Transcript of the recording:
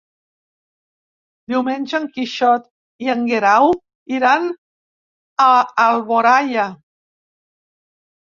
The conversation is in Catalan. Diumenge en Quixot i en Guerau iran a Alboraia.